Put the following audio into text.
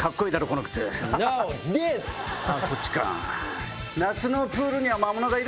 こっちか。